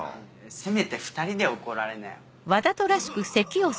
せめて２人で怒られなよ。